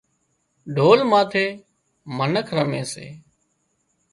ڍول ماٿي منک رمي سي